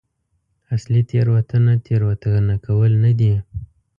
اصلي تېروتنه تېروتنه کول نه دي.